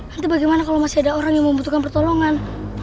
nanti bagaimana kalau masih ada orang yang membutuhkan pertolongan